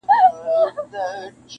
• زه له بویه د باروتو ترهېدلی -